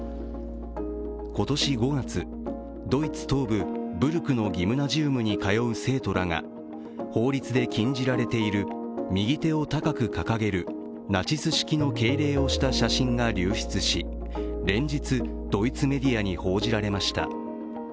今年５月、ドイツ東部ブルクのギムナジウムに通う生徒らが法律で禁じられている右手を高く掲げるナチス式の敬礼をした写真が流出し連日、ドイツメディアに報じられました。